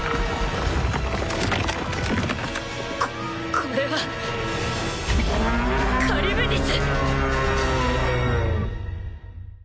ここれはカリュブディス！